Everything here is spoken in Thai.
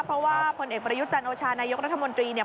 เพราะว่าผลเอกประยุทธ์จันโอชานายกรัฐมนตรีเนี่ย